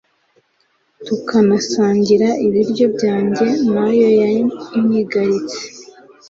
tukanasangira ibiryo byanjye na yo yanyigaritse